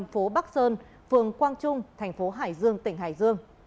phố bắc sơn phường quang trung thành phố hải dương tỉnh hải dương